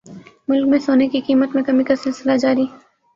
ملک میں سونے کی قیمت میں کمی کا سلسلہ جاری